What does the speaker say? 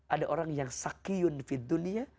ada orang yang sakiun fid dunia